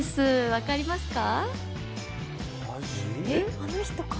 分かりますか？